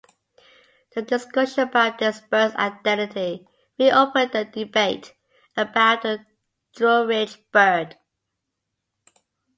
The discussion about this bird's identity reopened the debate about the Druridge bird.